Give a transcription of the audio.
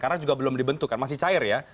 karena juga belum dibentuk kan masih cair ya